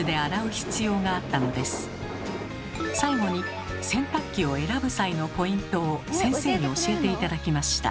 最後に洗濯機を選ぶ際のポイントを先生に教えて頂きました。